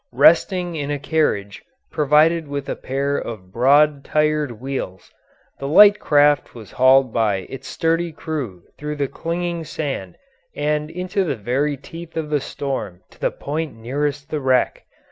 Resting in a carriage provided with a pair of broad tired wheels, the light craft was hauled by its sturdy crew through the clinging sand and into the very teeth of the storm to the point nearest the wreck.